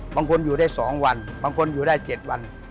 บางคนอยู่ได้๒วันบางคนอยู่ได้๗วัน